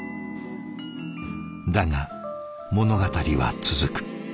「だが、物語は続く」。